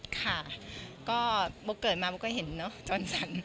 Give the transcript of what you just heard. ค่ะก็บวกเกิดมาบวกก็เห็นเนอะจนสั่น